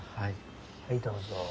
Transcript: はいどうぞ。